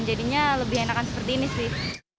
jadinya lebih enakan seperti ini sih